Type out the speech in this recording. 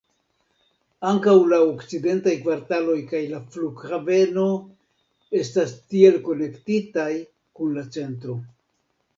Ankaŭ la okcidentaj kvartaloj kaj la flughaveno estas tiel konektitaj kun la centro.